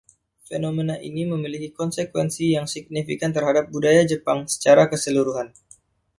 Fenomena ini memiliki konsekuensi yang signifikan terhadap budaya Jepang secara keseluruhan.